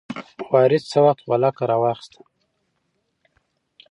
وارث څه وخت غولکه راواخیسته؟